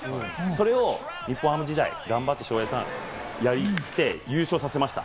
それは日本ハム時代、翔平さん、やりきって優勝させました。